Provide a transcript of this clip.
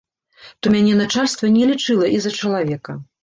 То мяне начальства не лічыла і за чалавека.